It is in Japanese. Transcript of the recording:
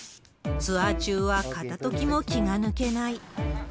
ツアー中はかたときも気が抜けない。